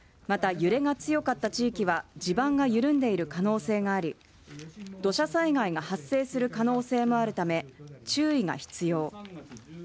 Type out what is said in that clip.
また揺れが強かった地域は地盤が緩んでいる可能性があり土砂災害が発生する可能性があるため注意が必要。